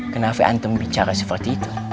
kenapa anteng bicara seperti itu